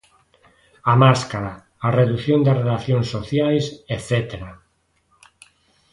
A máscara, a redución das relacións sociais etcétera.